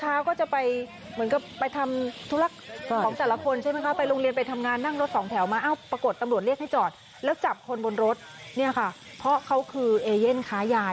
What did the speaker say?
สายเกมมาเลย